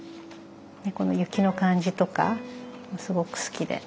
この雪の感じとかすごく好きで。